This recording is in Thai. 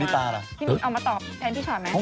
ฮ้าอะไรพี่มัด